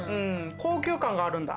高級感があるんだ？